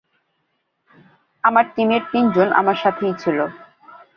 আমার টিমের তিনজন আমার সাথেই ছিলো।